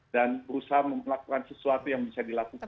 dan berusaha melakukan sesuatu yang bisa dilakukan